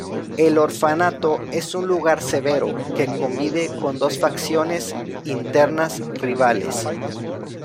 El orfanato es un lugar severo, que convive con dos facciones internas rivales.